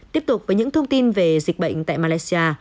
tiếp tục với những thông tin về dịch bệnh tại malaysia